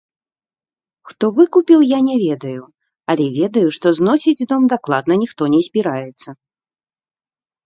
Хто выкупіў, я не ведаю, але ведаю, што зносіць дом дакладна ніхто не збіраецца.